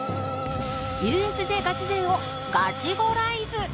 ＵＳＪ ガチ勢をガチゴライズ！